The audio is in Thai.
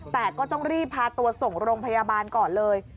แต่ก็ต้องรีบพาตัวส่งโรงพยาบาลก่อนเลย